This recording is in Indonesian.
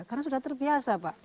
karena sudah terbiasa pak